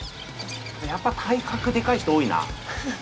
やっぱ体格でかい人多いな。